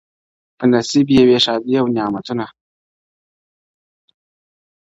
په نصيب يې وې ښادۍ او نعمتونه-